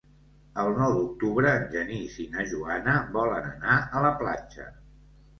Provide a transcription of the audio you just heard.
El nou d'octubre en Genís i na Joana volen anar a la platja.